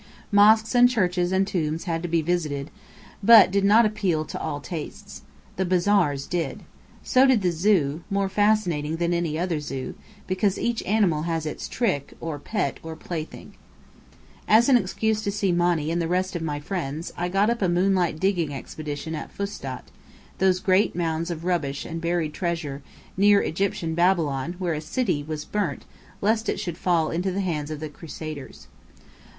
Mosques and churches and tombs had to be visited, but did not appeal to all tastes. The Bazaars did. So did the Zoo, more fascinating than any other zoo, because each animal has its trick, or pet, or plaything. As an excuse to see Monny and the rest of my friends, I got up a moonlight digging expedition at Fustat, those great mounds of rubbish and buried treasure near Egyptian Babylon where a city was burnt lest it should fall into the hands of the Crusaders.